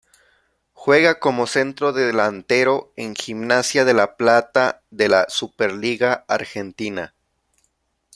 Juega como centrodelantero en Gimnasia de La Plata de la Superliga Argentina.